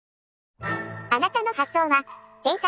あなたの発想は天才？